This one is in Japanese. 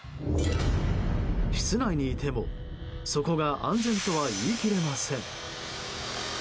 室内にいてもそこが安全とは言い切れません。